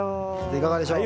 いかがでしょう？